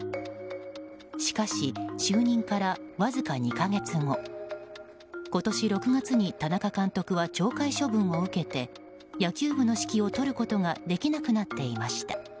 しかし、就任からわずか２か月後今年６月に田中監督は懲戒処分を受けて野球部の指揮を執ることができなくなっていました。